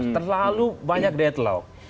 terlalu banyak deadlock